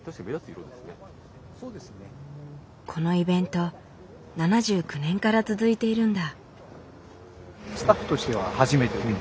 このイベント７９年から続いているんだ。